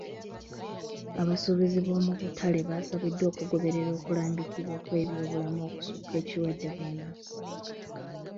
Abasuubuzi b'omu butale baasabiddwa okugoberera okulambikibwa kw'ebyobulamu okusukka ekirwadde bbunansi.